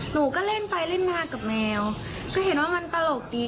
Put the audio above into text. หนูก็เล่นไปเล่นมากับแมวก็เห็นว่ามันตลกดี